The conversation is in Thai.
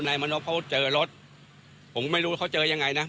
นายมันบเขาเจอรถผมไม่รู้เขาเจอยังไงนะ